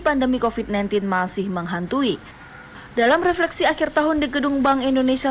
pandemi kofit sembilan belas masih menghantui dalam refleksi akhir tahun di gedung bank indonesia